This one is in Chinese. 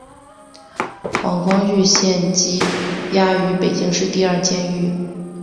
黄光裕现羁押于北京市第二监狱。